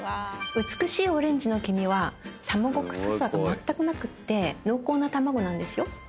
美しいオレンジの黄身は卵臭さがまったくなくって濃厚な卵なんですよ。